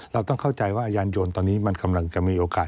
เราต้องเข้าใจว่ายานยนต์ตอนนี้มันกำลังจะมีโอกาส